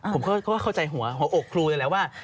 ผมก็เข้าใจหัวหัวอกครูอะไรว่า